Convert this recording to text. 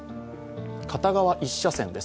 片側１車線です。